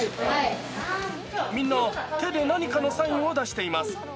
みんな、手で何かのサインを出しています。